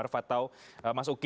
di jawa barat